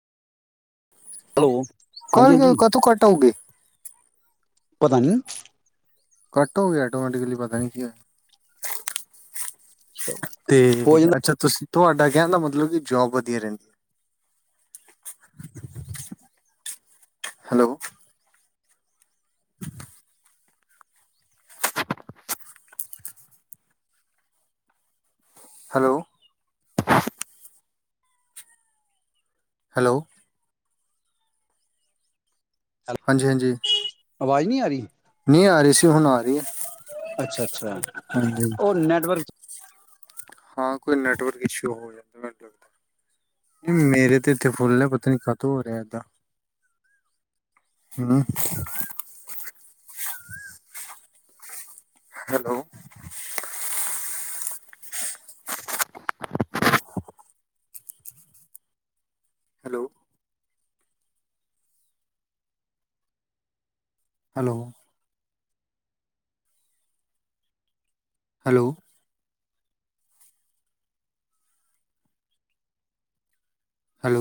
hello ਹਾਂਜੀ ਕਰਗੇ ਹਾਂਜੀ ਕਤੋਂ ਘਟਾਉਗੇ ਪਧਾਨ ਘੱਟ ਹੋ ਗਈ ਆਟੋਮੈਟਿਕਲੀ ਪਤਾ ਨ ਕੀ ਤੇ ਹੋ ਜਾਂਦਾ ਅੱਛਾ ਤੁਸੀਂ ਤੁਹਾਡਾ ਕਹਿਣ ਦਾ ਮਤਲਬ ਕਿ ਜੋਬ ਵਧੀਆ ਰਹਿੰਦੀ ਹੈ ਹੈਲੋ ਹੈਲੋ ਹੈਲੋ [inaudible] ਹਾਂਜੀ ਹਾਂਜੀ ਆਵਾਜ਼ ਨਹੀਂੀ ਆ ਰਹੀ ਨਹੀਂ ਆ ਰਹੀ ਸੀ ਹੁਣ ਆ ਰਹੀ ਹੈ ਅੱਛਾ ਅੱਛਾ ਹਾਂਜੀ ਉਹਰ ਨੈਟਵਰਕ ਹਾਂ ਕੋਈ ਨੈਟਵਰਕ ਇਸ਼ੂ ਹੋ ਜਾਂਦਾ ਮੈਨ ਲੱਗਦਾ ਮੇਰੇ ਤੇ ਇੱਥੇ ਫੁੱਲ ਪਤਾ ਨੀ ਖਤਮ ਹੋ ਰਿਹਾ ਏਦਾਂ ਹ ਹੈਲੋ ਹੈਲੋ ਹੈਲੋ ਹੈਲੋ